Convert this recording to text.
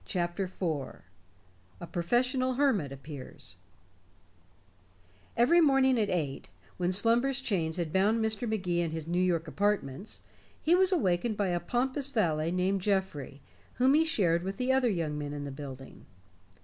CHAPTER IV A PROFESSIONAL HERMIT APPEARS Every morning at eight, when slumber's chains had bound Mr. Magee in his New York apartments, he was awakened by a pompous valet named Geoffrey whom he shared with the other young men in the building.